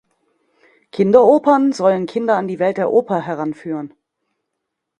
Kinderopern sollen Kinder an die Welt der Oper heranführen.